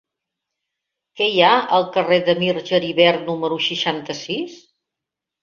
Què hi ha al carrer de Mir Geribert número seixanta-sis?